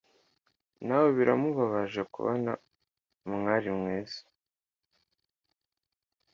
nawe biramubabaje kubona umwari mwiza